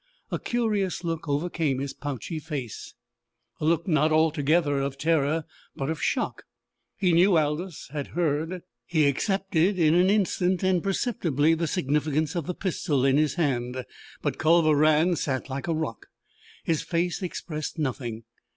A curious look overcame his pouchy face, a look not altogether of terror but of shock. He knew Aldous had heard. He accepted in an instant, and perceptibly, the significance of the pistol in his hand. But Culver Rann sat like a rock. His face expressed nothing.